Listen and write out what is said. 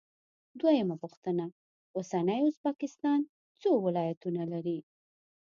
دویمه پوښتنه: اوسنی ازبکستان څو ولایتونه لري؟